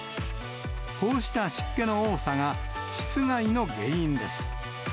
こうした湿気の多さが、湿害の原因です。